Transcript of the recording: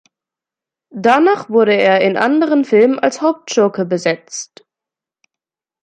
Danach wurde er in anderen Filmen als Hauptschurke besetzt.